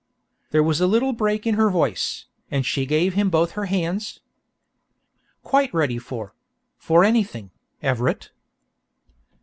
There was a little break in her voice, and she gave him both her hands. "Quite ready for for anything, Everett."